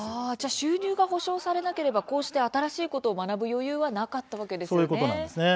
収入が保障されなければ新しいことを学ぶ余裕はなかったわけですね。